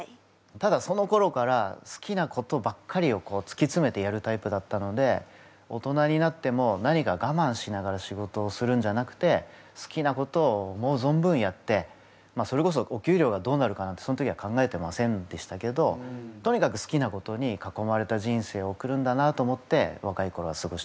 ただそのころから好きなことばっかりをつきつめてやるタイプだったので大人になっても何かがまんしながら仕事をするんじゃなくて好きなことを思う存分やってそれこそお給料がどうなるかなんてその時は考えてませんでしたけどとにかくそんなワーワーワーワーお！